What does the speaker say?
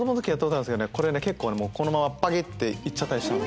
これね結構このままパキって行っちゃったりしたの。